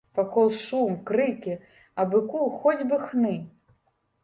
Вакол шум, крыкі, а быку хоць бы хны.